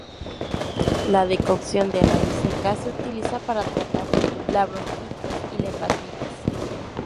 La decocción de raíz seca se utiliza para tratar la bronquitis y la hepatitis.